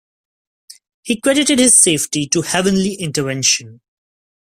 He credited his safety to heavenly intervention.